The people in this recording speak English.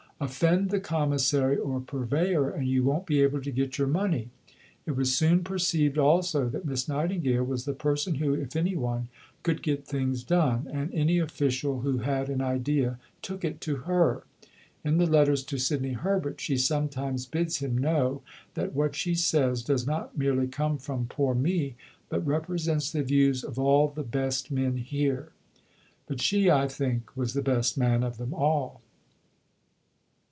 'Offend the Commissary or Purveyor, and you won't be able to get your money.'" It was soon perceived also that Miss Nightingale was the person who, if any one, could get things done, and any official who had an idea took it to her. In the letters to Sidney Herbert she sometimes bids him know that what she says does not merely come from "poor me," but represents the views "of all the best men here." But she, I think, was the best man of them all.